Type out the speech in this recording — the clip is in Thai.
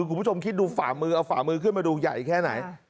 คุณผู้ชมคิดดูฝ่ามือเอาฝ่ามือขึ้นมาดูใหญ่แค่ไหน